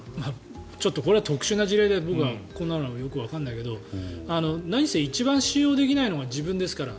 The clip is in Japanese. ちょっとこれは特殊な事例で僕はこんなのよくわからないけど何せ一番信用できないのが自分ですから。